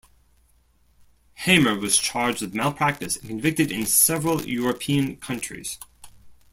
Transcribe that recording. Hamer was charged with malpractice and convicted in several European countries.